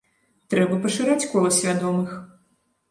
Трэба пашыраць кола свядомых!